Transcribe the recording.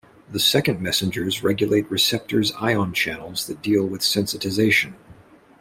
The second messengers regulate receptors ion channels that deal with sensitization.